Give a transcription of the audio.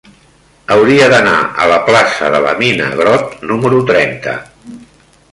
Hauria d'anar a la plaça de la Mina Grott número trenta.